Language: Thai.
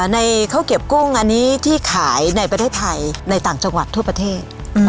ในข้าวเก็บกุ้งอันนี้ที่ขายในประเทศไทยในต่างจังหวัดทั่วประเทศ